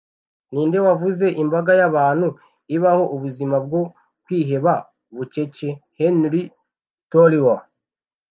Ninde wavuze - "Imbaga y'abantu ibaho ubuzima bwo kwiheba bucece" Henry Thoreau